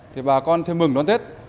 thì bà con thêm mừng đón tết